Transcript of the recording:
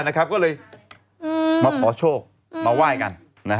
มาขอโชคมาไหว้กัน